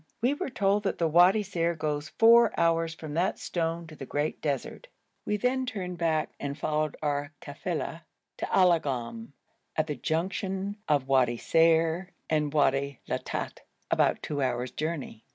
We were told that the Wadi Ser goes four hours from that stone to the great desert. We then turned back and followed our kafila to Alagoum, at the junction of Wadi Ser and the Wadi Latat, about two hours' journey.